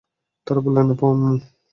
তারা বললেন, না।